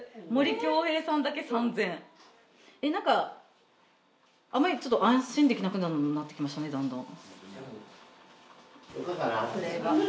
何かあまりちょっと安心できなくなってきましたねだんだん。